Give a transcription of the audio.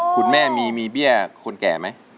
คุณแม่มีเบี้ยคนแก่ไหม